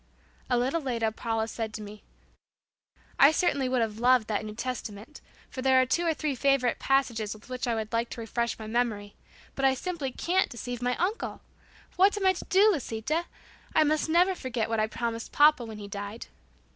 A little later, Paula said to me, "I certainly would have loved that New Testament, for there are two or three favorite passages with which I would like to refresh my memory, but I simply can't deceive my uncle. But what am I going to do, Lisita? I must never forget what I promised papa when he died."